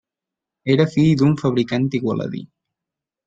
Era fill d'un fabricant igualadí.